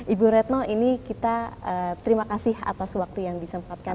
ibu retno ini kita terima kasih atas waktu yang disempatkan